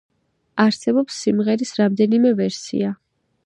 არსებობს სიმღერის რამდენიმე ვერსია.